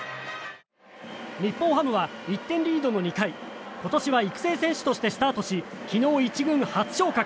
日本ハムは１点リードの２回今年は育成選手としてスタートし昨日、１軍初昇格。